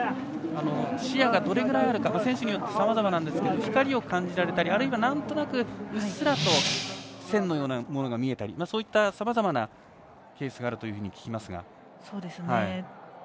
視野がどれくらいあるか選手によってさまざまなんですが光を感じられたりあるいは、なんとなくうっすらと線のようなものが見えたり、そういったさまざまなケースがあるというふうに聞きます。